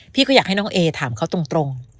พี่ก็อยากให้น้องเอถามเขาตรง